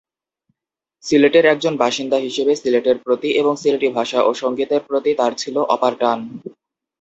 সিলেটের একজন বাসিন্দা হিসেবে সিলেটের প্রতি এবং সিলেটি ভাষা ও সঙ্গীতের প্রতি তার ছিল অপার টান।